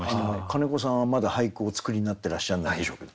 金子さんはまだ俳句をお作りになってらっしゃらないでしょ？